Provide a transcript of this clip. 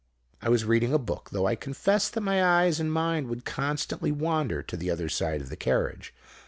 "I was reading a book, though I confess that my eyes and mind would constantly wander to the other side of the carriage.